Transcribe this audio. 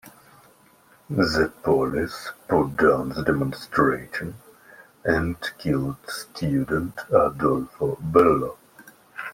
The police put down the demonstration and killed student Adolfo Bello.